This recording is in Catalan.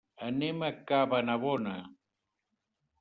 Anem a Cabanabona.